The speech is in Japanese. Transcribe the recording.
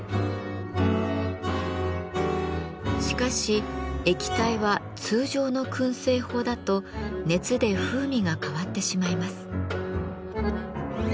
しかし液体は通常の燻製法だと熱で風味が変わってしまいます。